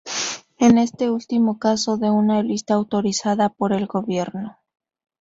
En este último caso de una lista autorizada por el gobierno.